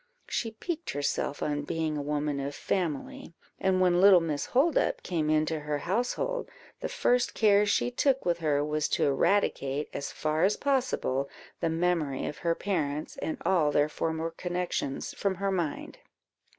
She piqued herself on being a woman of family, and when little Miss Holdup came into her household, the first care she took with her was to eradicate, as far as possible, the memory of her parents, and all their former connections, from her mind.